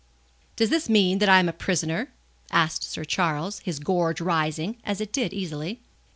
"Does this mean that I am a prisoner?" asked Sir Charles, his gorge rising, as it did easily.